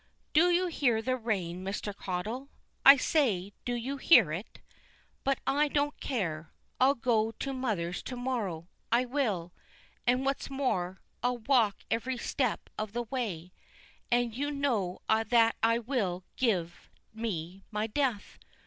"Do you hear the rain, Mr. Caudle? I say, do you hear it? But I don't care I'll go to mother's to morrow, I will; and what's more, I'll walk every step of the way and you know that will give me my death.